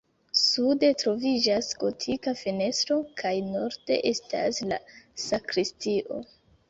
Sude troviĝas gotika fenestro kaj norde estas la sakristio.